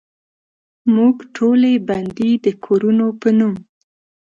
موږ ټولې بندې دکورونو په نوم،